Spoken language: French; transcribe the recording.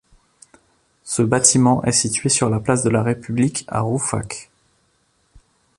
Ce bâtiment est situé place de la République à Rouffach.